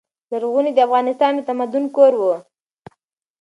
لرغونی افغانستان د تمدن کور و.